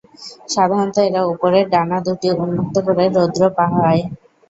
সাধারণত এরা উপরের ডানা দুটি উন্মুক্ত করে রৌদ্র পোহায়।